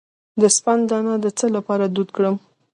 د سپند دانه د څه لپاره دود کړم؟